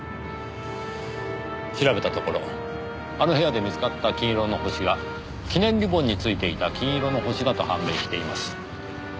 調べたところあの部屋で見つかった金色の星が記念リボンに付いていた金色の星だと判明しています。